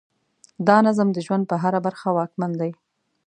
دا نظم د ژوند په هره برخه واکمن دی.